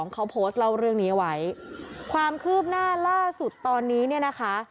เขาโพสต์เล่าเรื่องนี้เอาไว้ความคืบหน้าล่าสุดตอนนี้เนี่ยนะคะ